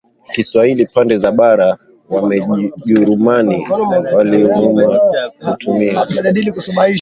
Kiswahili pande za bara Wajerumani waliamua kutumia